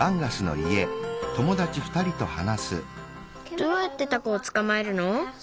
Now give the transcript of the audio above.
どうやってタコをつかまえるの？